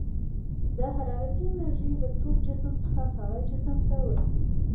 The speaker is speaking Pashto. د حرارتي انرژي له تود جسم څخه ساړه جسم ته ورځي.